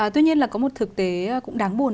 tuy nhiên là có một thực tế cũng đáng buồn